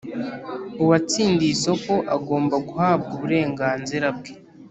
Uwatsindiye isoko agomba guhabwa uburenganzira bwe